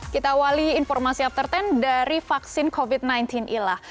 kita awali informasi after sepuluh dari vaksin covid sembilan belas ilah